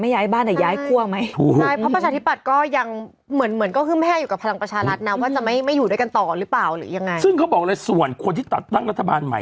ย้ายข้วนหรือเปล่าไงไม่ย้ายบ้านแต่ย้ายข้วนไหม